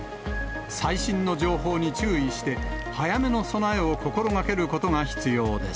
最新の情報に注意して、早めの備えを心がけることが必要です。